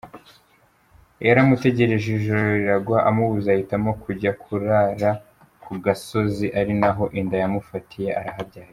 Yaramutegereje ijoro riragwa, amubuze ahitamo kujya kurarara ku gasozi, ari naho inda yamufatiye arahabyarira.